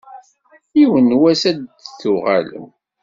Yiwen n wass ad n-tuɣalem.